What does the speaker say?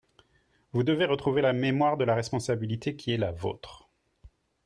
Vous devez retrouver la mémoire de la responsabilité qui est la vôtre.